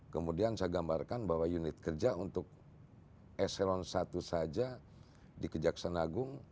kemudian saya gambarkan bahwa unit kerja untuk eselon i saja di kejaksaan agung